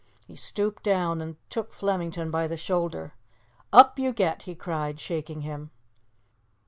He stooped down and took Flemington by the shoulder. "Up you get!" he cried, shaking him.